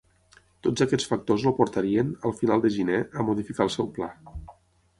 Tots aquests factors el portarien, al final de gener, a modificar el seu pla.